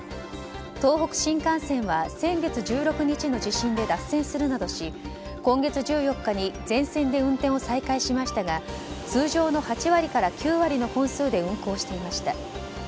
東北新幹線は先月１６日の地震で脱線するなどし今月１４日に全線で運転を再開しましたが通常の８割から９割の本数で運行していました。